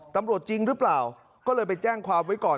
ตำรวจจริงหรือเปล่าก็เลยไปแจ้งความไว้ก่อน